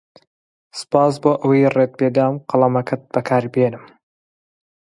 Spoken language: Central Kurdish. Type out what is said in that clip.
سوپاس بۆ ئەوەی ڕێت پێدام قەڵەمەکەت بەکاربێنم.